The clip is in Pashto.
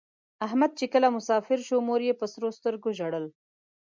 احمد چې کله مسافر شو مور یې په سرو سترگو ژړل.